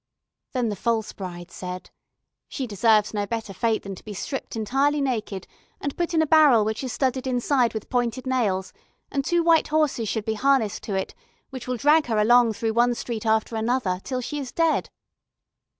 Then the false bride said: "She deserves no better fate than to be stripped entirely naked, and put in a barrel which is studded inside with pointed nails, and two white horses should be harnessed to it, which will drag her along through one street after another, till she is dead."